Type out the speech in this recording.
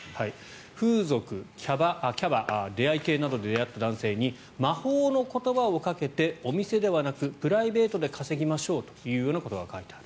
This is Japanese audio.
風俗、キャバ、出会い系などで出会った男性に魔法の言葉をかけてお店ではなくプライベートで稼ぎましょうという言葉が書いてある。